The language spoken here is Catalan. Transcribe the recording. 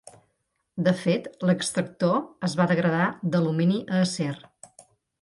De fet, l'extractor es va degradar d'alumini a acer.